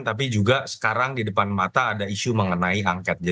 tapi juga sekarang di depan mata ada isu mengenai angket